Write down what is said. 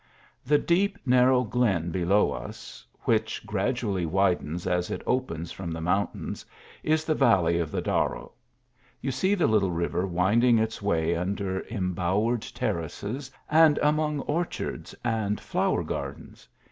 The deep narrow glen below us, which gradually widens as it opens from the mountains, is the valley of the Darro ; you see the little river winding its way under embowered terraces, and among orchards and flower gardens.